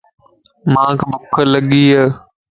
مان ٻک لڳي ا.